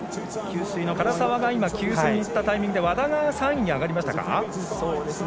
唐澤が給水にいったタイミングで和田が３位に上がりましたか。